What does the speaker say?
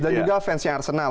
dan juga fans yang arsenal